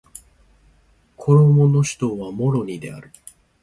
コモロの首都はモロニである